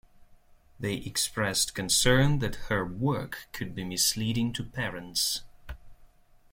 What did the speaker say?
They expressed concern that her work could be misleading to parents.